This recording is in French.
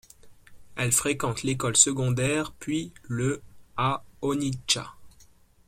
Elle fréquente l'école secondaire puis le à Onitsha.